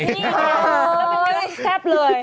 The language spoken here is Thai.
นี่ค่ะโอ้ยแทบเลย